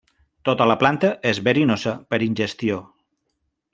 Tota la planta és verinosa per ingestió.